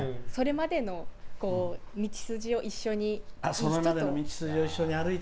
それまでの道筋を一緒の人と。